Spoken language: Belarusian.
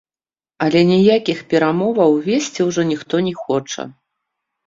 Але ніякіх перамоваў весці ўжо ніхто не хоча.